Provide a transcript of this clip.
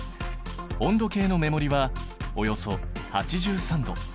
温度計の目盛りはおよそ８３℃。